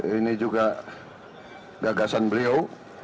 ini juga gagasan beliau